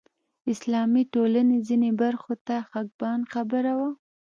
اسلامي ټولنې ځینو برخو ته خپګان خبره وه